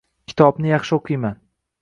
Kitobni yaxshi oʻqiyman